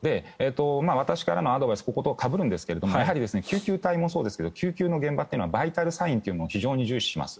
私からのアドバイスこことかぶるんですがやはり救急隊もそうですけど救急の現場というのはバイタルサインというのを非常に重視します。